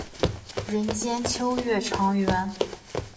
人间秋月长圆。